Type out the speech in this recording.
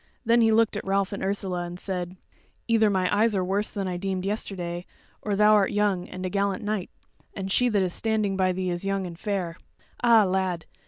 Then he looked at Ralph and at Ursula, and said: "Either my eyes are worse than I deemed yesterday, or thou art young, and a gallant knight, and she that is standing by thee is young, and fair. Ah, lad!